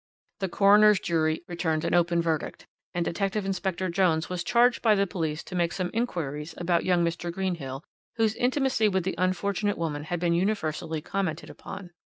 "The coroner's jury returned an open verdict, and Detective Inspector Jones was charged by the police to make some inquiries about young Mr. Greenhill, whose intimacy with the unfortunate woman had been universally commented upon.